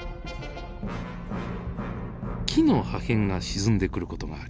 木の破片が沈んでくる事があります。